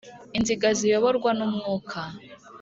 Inziga ziyoborwa n umwuka